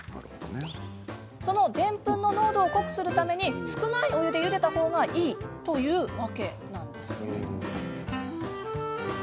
その、でんぷんの濃度を濃くするために少ないお湯でゆでた方がいいというわけなんです。